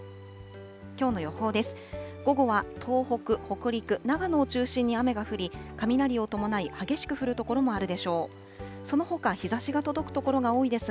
きょうの予報です。